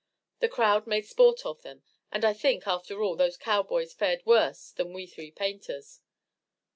The crowd made sport of them, and I think, after all, those cowboys fared worse than we three painters.